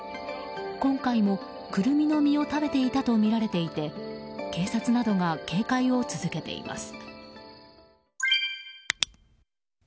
今回もクルミの実を食べていたとみられていて警察などが警戒を続けています。